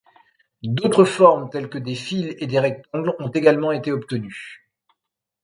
D'autres formes, telles que des fils et des rectangles, ont également été obtenues.